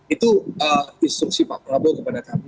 itu instruksi pak prabowo kepada kami